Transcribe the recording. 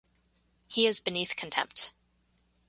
He is beneath contempt.